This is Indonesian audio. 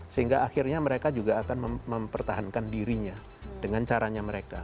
sehingga akhirnya mereka juga akan mempertahankan dirinya dengan caranya mereka